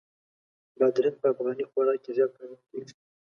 بادرنګ په افغاني خوراک کې زیات کارول کېږي.